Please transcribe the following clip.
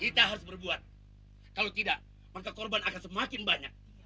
kita harus berbuat kalau tidak maka korban akan semakin banyak